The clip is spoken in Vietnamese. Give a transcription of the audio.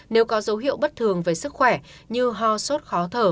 nếu có dấu hiệu bất thường về sức khỏe như ho sốt khó thở